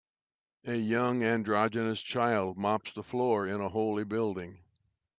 A young androgynous child mops the floor in a holy building